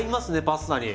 パスタに。